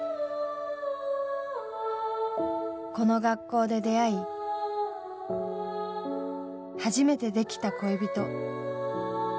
この学校で出会い初めてできた恋人。